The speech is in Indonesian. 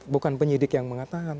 bukan penyidik yang mengatakan